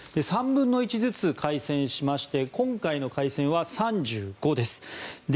３分の１ずつ改選しまして今回の改選は３５です。